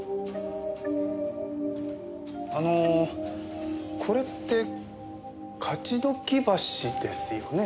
あのこれって勝鬨橋ですよね？